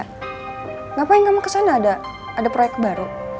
kenapa kamu ke sana ada proyek baru